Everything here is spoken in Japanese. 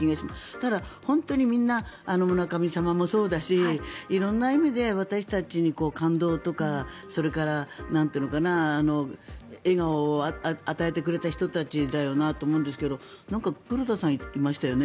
ただ、本当にみんな村神様もそうだし色んな意味で私たちに感動とかそれから、なんというのかな笑顔を与えてくれた人たちだよなと思うんですけどなんか黒田さんがいましたよね。